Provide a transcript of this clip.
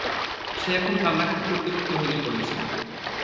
সে এখন কান্নকাটি করতে করতে ভেঙ্গে পড়েছে।